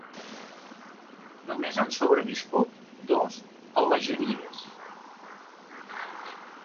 Només han sobreviscut dos Alleghenies.